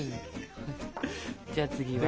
じゃあ次は。